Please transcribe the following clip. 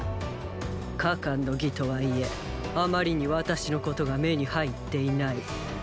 加冠の儀とはいえあまりに私のことが目に入っていない。